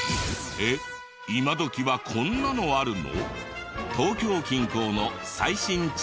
えっ今どきはこんなのあるの？